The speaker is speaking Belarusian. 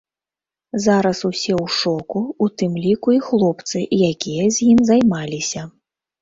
Зараз усе ў шоку, у тым ліку і хлопцы, якія з ім займаліся.